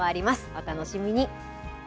お楽しみに。